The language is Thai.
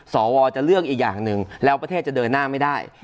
สวจะเลือกอีกอย่างหนึ่งแล้วประเทศจะเดินหน้าไม่ได้